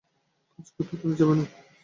কাজ করতে, তুমি যাবে না?